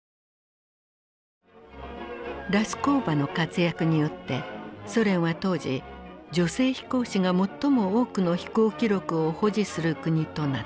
ラスコーヴァの活躍によってソ連は当時女性飛行士が最も多くの飛行記録を保持する国となった。